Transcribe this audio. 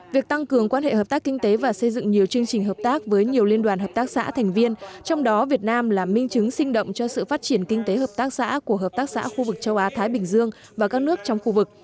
việc tăng cường quan hệ hợp tác kinh tế và xây dựng nhiều chương trình hợp tác với nhiều liên đoàn hợp tác xã thành viên trong đó việt nam là minh chứng sinh động cho sự phát triển kinh tế hợp tác xã của hợp tác xã khu vực châu á thái bình dương và các nước trong khu vực